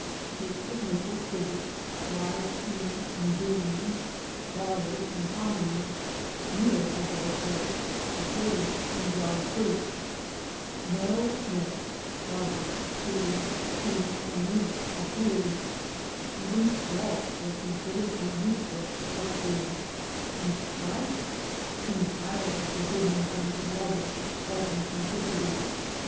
Cakes of maple sugar, dried peas and beans, barley and hominy, meal of all sorts, potatoes, and dried fruit. No milk, butter, cheese, tea, or meat ap Digitized by VjOOQ IC TRANSCENDENTAL WILD OATS 157 peared. Even salt was considered a useless lux ' ury and spice entirely forbidden by these lovers ' of Spartan simplicity.